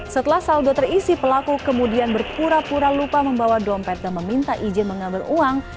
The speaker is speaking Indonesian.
setelah saldo terisi pelaku kemudian berpura pura lupa membawa dompet dan meminta izin mengambil uang